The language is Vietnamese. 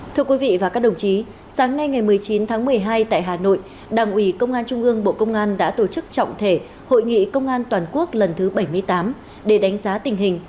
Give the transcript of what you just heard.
thưa quý vị và các đồng chí sáng nay ngày một mươi chín tháng một mươi hai tại hà nội đảng ủy công an trung ương bộ công an đã tổ chức trọng thể hội nghị công an toàn quốc lần thứ hai